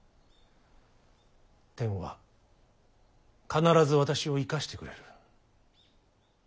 天は必ず私を生かしてくれる。